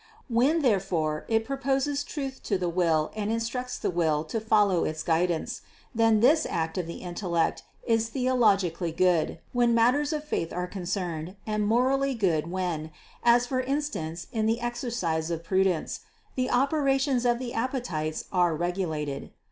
When therefore it proposes truth to the will and instructs the will to follow its guidance, then this act of the intel lect is theologically good, when matters of faith are con cerned, and morally good when, as for instance in the exercise of prudence, the operations of the appetites are regulated.